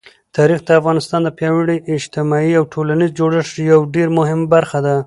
تاریخ د افغانستان د پیاوړي اجتماعي او ټولنیز جوړښت یوه ډېره مهمه برخه ده.